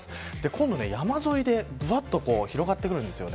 今度は山沿いでぶわっと広がってきます。